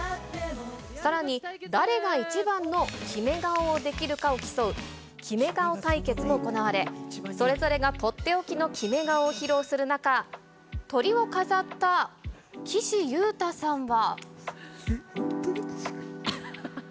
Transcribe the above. さらに誰が一番のキメ顔をできるかを競うキメ顔対決も行われ、それぞれが取って置きのキメ顔を披露する中、トリを飾った岸優太さんは。